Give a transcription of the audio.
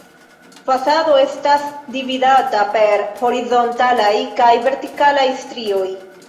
Fasado estas dividata per horizontalaj kaj vertikalaj strioj.